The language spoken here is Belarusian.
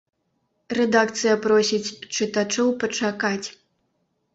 Рэдакцыя просіць чытачоў пачакаць.